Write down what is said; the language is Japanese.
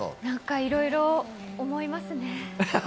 いろいろ思いますね。